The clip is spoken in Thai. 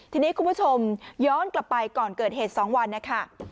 ทีนี้คุณผู้ชมย้อนกลับไปก่อนเกิดเหตุ๒วันนะคะ